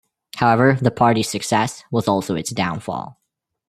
However, the party's success was also its downfall.